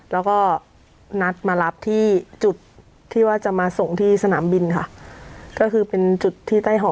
แล้วก็นัดมารับที่จุดที่ว่าจะมาส่งที่สนามบินค่ะก็คือเป็นจุดที่ใต้หอ